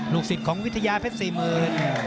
ลูกศิษย์ของวิทยาเพชร๔๐๐๐๐